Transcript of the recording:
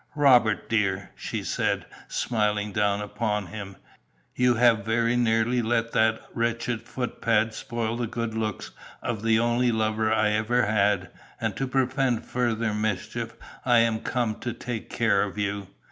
"Robert, dear," she said, smiling down upon him, "you have very nearly let that wretched footpad spoil the good looks of the only lover I ever had, and to prevent further mischief I am come to take care of you."